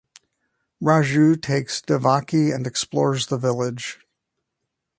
Raju takes Devaki and explores the village.